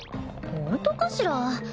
本当かしら？